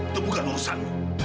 itu bukan urusanmu